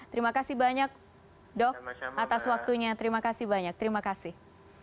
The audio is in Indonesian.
terima kasih banyak dok atas waktunya terima kasih banyak terima kasih